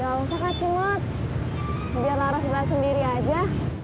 gak usah kak cemat biar lara sedulat sendiri aja